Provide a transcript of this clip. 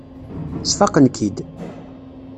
Sfaqen-k-id.